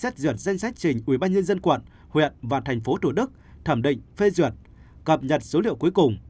chuyển danh sách trình ủy ban nhân dân quận huyện và thành phố thủ đức thẩm định phê duyệt cập nhật số liệu cuối cùng